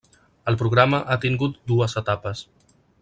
El programa ha tingut dues etapes.